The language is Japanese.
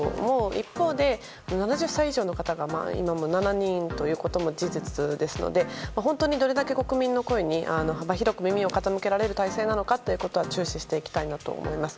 一方で７０歳以上の方が今も７人ということも事実ですので本当に、どれだけ国民の声に幅広く耳を傾けられる体制なのかということは注視していきたいです。